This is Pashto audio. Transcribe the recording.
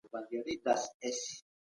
تر ماښامه به يې خپله عاجزي ثابته کړي وي.